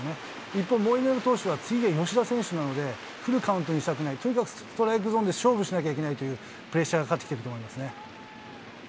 一方、モイネロ投手は次が吉田選手なので、フルカウントにしたくない、とにかくストライクゾーンで勝負しなきゃいけないというプレッシャーがかかってきていると思いますね。